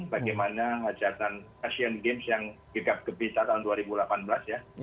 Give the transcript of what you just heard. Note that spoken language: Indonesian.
bagaimana hajatan asian games yang gegap gebita tahun dua ribu delapan belas ya